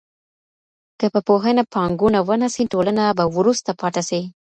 که په پوهنه پانګونه ونه سي ټولنه به وروسته پاته سي.